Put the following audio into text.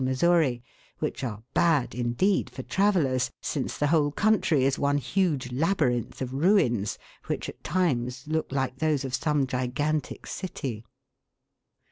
119 Missouri, which are " bad " indeed for travellers, since the whole country is one huge labyrinth of ruins, which at times ook like those of some gigantic city (Fig.